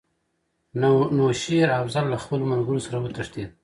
نو شېر افضل له خپلو ملګرو سره وتښتېد.